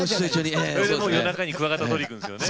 それでもう夜中にクワガタ捕り行くんですよね。